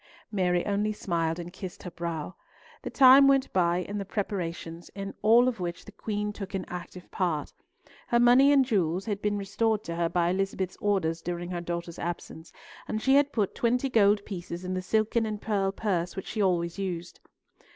Mary only smiled and kissed her brow. The time went by in the preparations, in all of which the Queen took an active part. Her money and jewels had been restored to her by Elizabeth's orders during her daughter's absence, and she had put twenty gold pieces in the silken and pearl purse which she always used.